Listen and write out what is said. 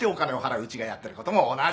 うちがやってることも同じ。